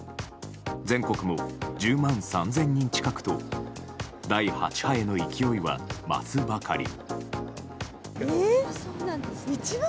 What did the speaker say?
全国も１０万３０００人近くと第８波への勢いは増すばかり。